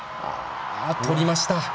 とりました。